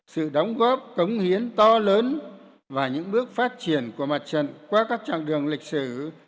sự đóng góp cống hiến to lớn và những bước phát triển của mặt trận qua các trạng đường lịch sử